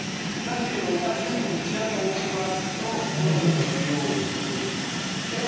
だけれども同じようにこちらにオキますと今度このように打って。